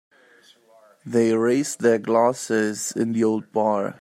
They raised their glasses in the old bar.